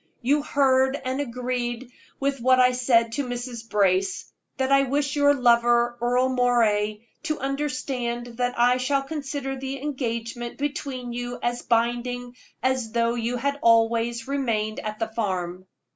You heard and agreed with what I said to Mrs. Brace, that I wish your lover, Earle Moray, to understand that I shall consider the engagement between you as binding as though you had always remained at the farm."